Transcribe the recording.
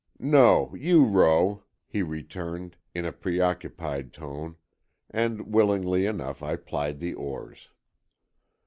"No, you row," he returned, in a preoccupied tone, and willingly enough I plied the oars.